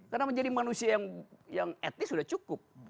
karena menjadi manusia yang at least sudah cukup